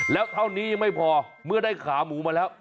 แล้วเท่านี้ยังไม่พอเมื่อได้ขาหมูมาแล้ว